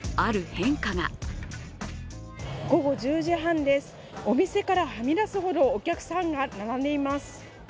変化が午後１０時半です、お店からはみ出すほどお客さんが並んでいます。